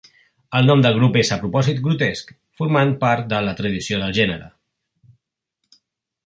El nom del grup és a propòsit grotesc, formant part de la tradició del gènere.